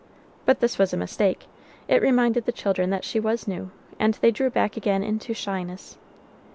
But this was a mistake. It reminded the children that she was new, and they drew back again into shyness.